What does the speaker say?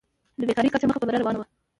د بېکارۍ کچه مخ په بره روانه وه.